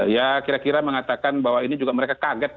ya kira kira mengatakan bahwa ini juga mereka kaget